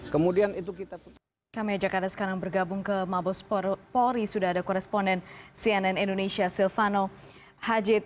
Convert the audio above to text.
kemudian kami ajak anda sekarang bergabung ke mabes polri sudah ada koresponden cnn indonesia silvano hajid